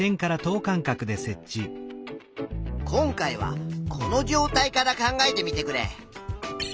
今回はこの状態から考えてみてくれ。